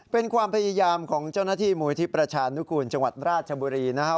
เป็นความพยายามของเจ้าหน้าที่มูลที่ประชานุกูลจังหวัดราชบุรีนะครับ